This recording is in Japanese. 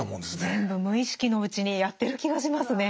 全部無意識のうちにやってる気がしますね。